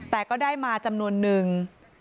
แต่ก็ได้มาจำนวนนึง